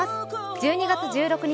１２月１６日